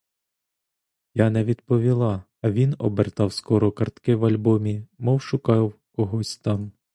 Я не відповіла, а він обертав скоро картки в альбомі, мов шукав когось там.